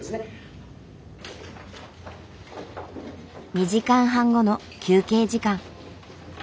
２時間半後の休憩時間。